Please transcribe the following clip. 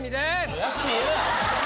もう休みええわ！